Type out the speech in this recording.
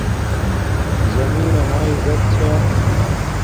زمین اما عزت چھا